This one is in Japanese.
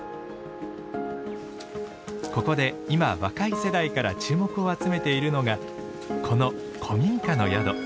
ここで今若い世代から注目を集めているのがこの古民家の宿。